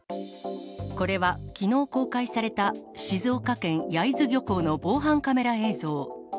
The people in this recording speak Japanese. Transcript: これは、きのう公開された静岡県焼津漁港の防犯カメラ映像。